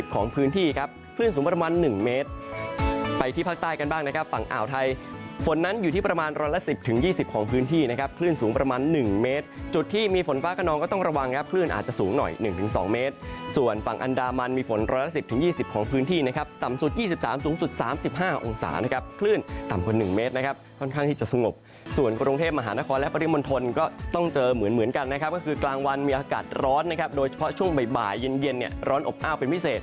ของพื้นที่ครับคลื่นสูงประมาณหนึ่งเมตรไปที่ภาคใต้กันบ้างนะครับฝั่งอ่าวไทยฝนนั้นอยู่ที่ประมาณร้อนละสิบถึงยี่สิบของพื้นที่นะครับคลื่นสูงประมาณหนึ่งเมตรจุดที่มีฝนฟ้ากระนองก็ต้องระวังครับคลื่นอาจจะสูงหน่อยหนึ่งถึงสองเมตรส่วนฝั่งอันดามันมีฝนร้อนละสิบถึงยี่สิบของพื้นที่